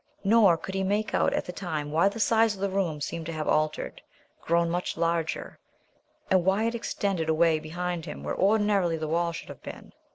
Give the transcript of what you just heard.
Nor could he make out at the time why the size of the room seemed to have altered, grown much larger, and why it extended away behind him where ordinarily the wall should have been.